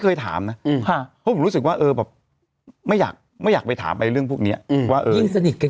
เคยถามนะเพราะผมรู้สึกว่าเออแบบไม่อยากไม่อยากไปถามไอ้เรื่องพวกนี้ว่ายิ่งสนิทกัน